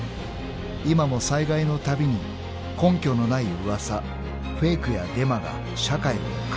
［今も災害のたびに根拠のない噂フェイクやデマが社会を駆け巡る］